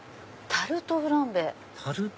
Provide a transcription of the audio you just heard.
タルトフランベ？